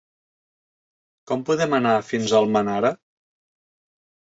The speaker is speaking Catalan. Com podem anar fins a Almenara?